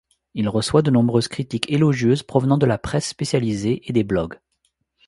Il reçoit de nombreuses critiques élogieuses provenant de la presse spécialisée et des blogs.